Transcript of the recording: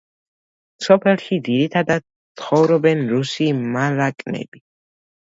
სოფელში ძირითადად ცხოვრობენ რუსი მალაკნები.